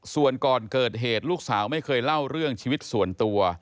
ส่วนก่อนเกิดเหตุลูกสาวไม่เคยเล่าเรื่องชีวิตส่วนตัว